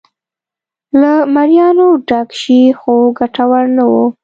له مریانو ډک شي خو ګټور نه و.